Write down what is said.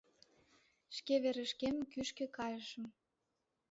— Шке верышкем, кӱшкӧ, кайышым.